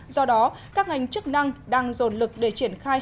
do đó các ngành chức năng đang dồn lực để triển khai